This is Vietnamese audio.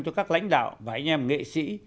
cho các lãnh đạo và anh em nghệ sĩ